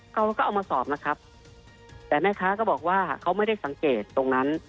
เขาก็เอามาสอบนะครับแต่แม่ค้าก็บอกว่าเขาไม่ได้สังเกตตรงนั้น